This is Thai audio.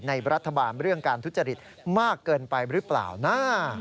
ในรัฐบาลเรื่องการทุจริตมากเกินไปหรือเปล่านะ